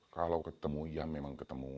kalau ketemu ya memang ketemu